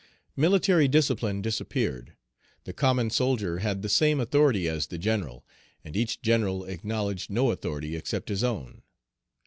Military discipline disappeared; the common soldier had the same authority as the general, and each general acknowledged no authority except his own.